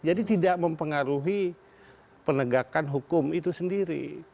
jadi tidak mempengaruhi penegakan hukum itu sendiri